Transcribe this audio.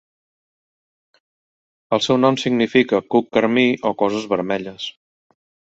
El seu nom significa "cuc carmí" o "coses vermelles.